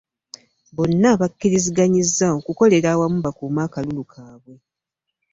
Bonna bakkiriziganyizza okukolera awamu bakuume akalulu kaabwe.